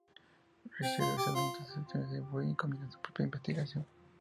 Rice revisa las notas de sus sesiones con Bynum y comienza su propia investigación.